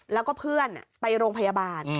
แล้วก็เพื่อนไปโรงพยาบาล